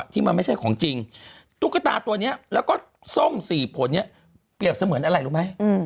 ที่มันไม่ใช่ของจริงตุ๊กตาตัวนี้แล้วก็ส้ม๔ผลเนี่ยเปรียบเสมือนอะไรรู้ไหม